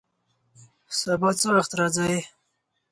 سبا څه وخت راځئ؟